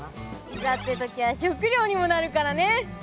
いざって時は食料にもなるからね。